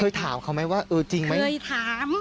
ถามเขาไหมว่าเออจริงไหมเคยถาม